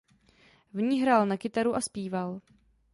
V ní hrál na kytaru a zpíval.